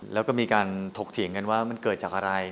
แล้วก็มีการถกเถียงกันว่ามันเกิดจากอะไร